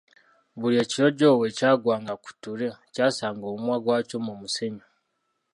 Buli ekiwojjolo lwe kyagwanga ku ttule, kyassanga omumwa gwakyo mu musenyu.